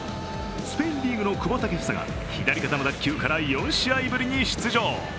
スペインリーグの久保建英が左肩の脱臼から４試合ぶりに出場。